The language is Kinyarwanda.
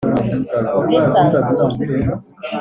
ubwisanzure